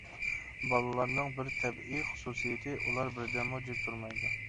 بالىلارنىڭ بىر تەبىئىي خۇسۇسىيىتى، ئۇلار بىر دەممۇ جىم تۇرمايدۇ.